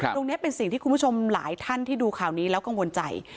ตรงนี้เป็นสิ่งที่คุณผู้ชมหลายท่านที่ดูข่าวนี้แล้วกังวลใจ